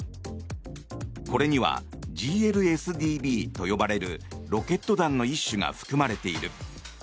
これにはＧＬＳＤＢと呼ばれるロケット弾の一種が含まれている。